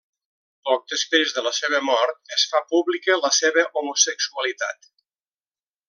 Poc després de la seva mort es fa pública la seva homosexualitat.